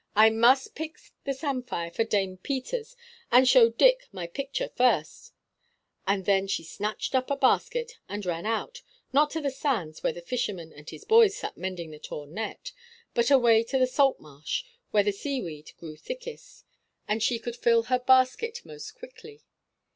I must pick the samphire for Dame Peters, and show Dick my picture, first;" and then she snatched up a basket, and ran out, not to the sands, where the fisherman and his boys sat mending the torn net, but away to the salt marsh, where the seaweed grew thickest, and she could fill her basket most quickly.